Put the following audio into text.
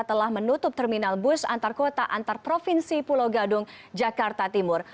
telah menutup terminal bus antar kota antar provinsi pulau gadung jakarta timur